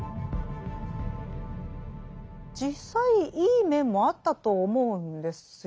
実際いい面もあったと思うんですよ。